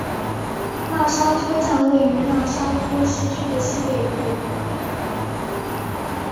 讷沙托站位于讷沙托市区的西北部。